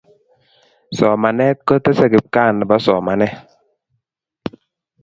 somanet kotesei kipkaa nepo somanet